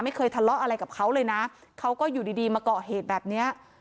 ไม่เคยทะเลาะอะไรกับเขาเลยนะเขาก็อยู่ดีดีมาเกาะเหตุแบบเนี้ย